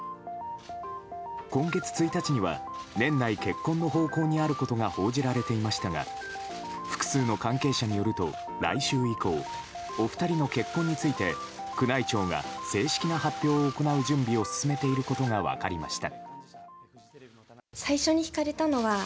今月１日には年内結婚の方向にあることが報じられていましたが複数の関係者によると来週以降、お二人の結婚について宮内庁が正式な発表を行う準備を進めていることが分かりました。